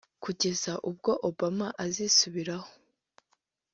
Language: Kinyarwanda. kugeza ubwo Obama azisubiraho